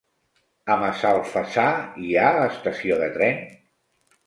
A Massalfassar hi ha estació de tren?